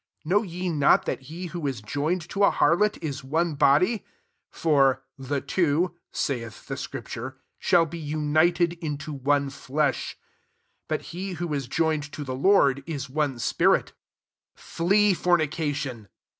16 Know ye not that he who is joined to a harlot, is one body ? (for " the two," saith the acrifiiure, *< shall be united iri' to one flesh.") 17 But he who is joined to the Lord, is one spirit. 18 Flee fornication.